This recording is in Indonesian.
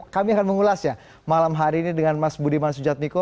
kami akan mengulas ya malam hari ini dengan mas budiman sujatmiko